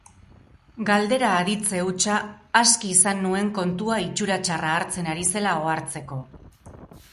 Galdera aditze hutsa aski izan nuen kontua itxura txarra hartzen ari zela ohartzeko.